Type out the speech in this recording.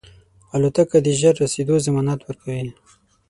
الوتکه د ژر رسېدو ضمانت ورکوي.